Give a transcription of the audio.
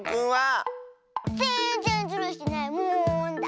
ぜんぜんズルしてないもんだ。